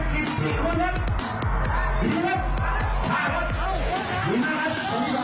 เล่นถึงตรงนี้ตกลงแปลศัตรูสมัยให้ได้พอต่อเล็กก่อน